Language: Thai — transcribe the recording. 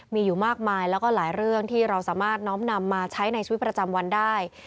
มีอยู่มากมายแล้วก็หลายเรื่องที่เราสามารถน้อมนำมาใช้ในชีวิตประจำวันได้